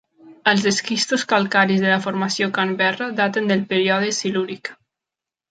Els esquistos calcaris de la formació Canberra daten del període Silúric.